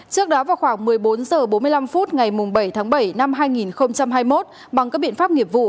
trước đó vào khoảng một mươi bốn h bốn mươi năm phút ngày bảy tháng bảy năm hai nghìn hai mươi một bằng các biện pháp nghiệp vụ